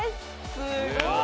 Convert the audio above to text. すごい。